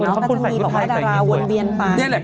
มันก็จะมีแต่ละวนเบียนไป